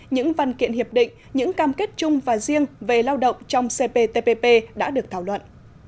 những văn kiện hiệp định những cam kết chung và riêng về lao động trong cptpp đã được thảo luận